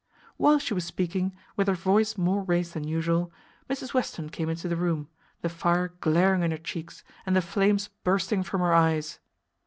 While she was speaking, with her voice more raised than usual, Mrs Western came into the room, the fire glaring in her cheeks, and the flames bursting from her eyes.